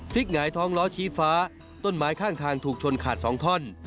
หงายท้องล้อชี้ฟ้าต้นไม้ข้างทางถูกชนขาด๒ท่อน